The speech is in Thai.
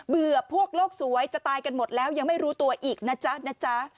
พวกโลกสวยจะตายกันหมดแล้วยังไม่รู้ตัวอีกนะจ๊ะนะจ๊ะ